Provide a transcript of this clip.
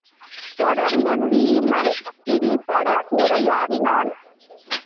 தொடர்ந்து வீமன் இடிபட உரையாடினான்.